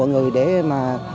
từ ba mươi đến năm mươi